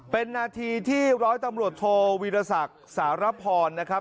เป็นนาทีที่ร้อยตำรวจโทวิรสักสารพรนะครับ